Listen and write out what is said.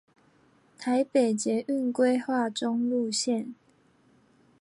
台北捷運規劃中路線